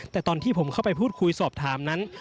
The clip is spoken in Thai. แต่ตอนที่ผมเข้าไปพูดคุยสอบถามนั้น